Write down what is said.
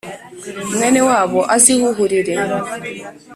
mwene wabo azihuhurire